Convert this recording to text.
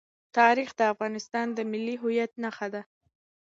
تاریخ د افغانستان د ملي هویت نښه ده.